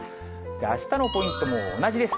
あしたのポイントも同じです。